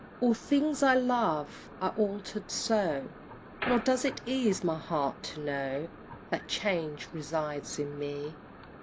All things I loved are altered so, Nor does it ease my heart to know That change resides in me!